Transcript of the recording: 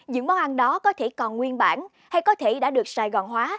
những món ăn đó có thể còn nguyên bản hay có thể đã được sài gòn hóa